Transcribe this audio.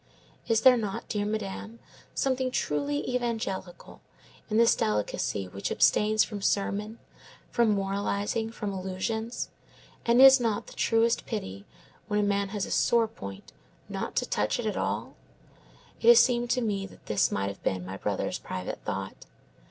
Is there not, dear Madame, something truly evangelical in this delicacy which abstains from sermon, from moralizing, from allusions? and is not the truest pity, when a man has a sore point, not to touch it at all? It has seemed to me that this might have been my brother's private thought.